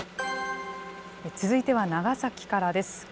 続いては長崎からです。